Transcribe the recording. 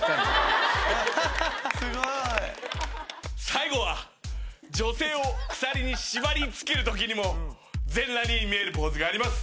最後は女性を鎖に縛りつけるときにも全裸に見えるポーズがあります。